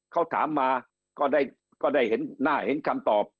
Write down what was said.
เขาถามมาก็ได้เห็นหน้าเห็นคำตอบ